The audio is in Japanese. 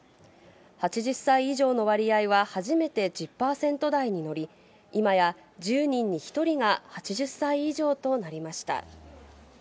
８０歳以上の割合は初めて１０％台に乗り、今や１０人に１人が８０歳以上となりました。